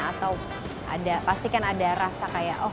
atau ada pasti kan ada rasa kayak oh